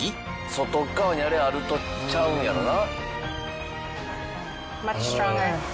外側にあれあるとちゃうんやろな。